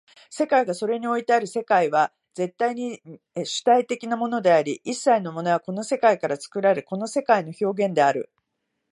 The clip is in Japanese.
世界がそれにおいてある世界は絶対に主体的なものであり、一切のものはこの世界から作られ、この世界の表現である。